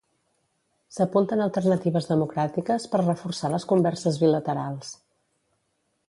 S'apunten alternatives democràtiques per reforçar les converses bilaterals.